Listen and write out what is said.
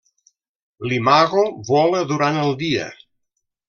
L'imago vola durant el dia.